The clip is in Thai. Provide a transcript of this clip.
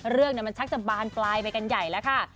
เรื่องมันชักจะบานปลายไปกันใหญ่แล้วค่ะ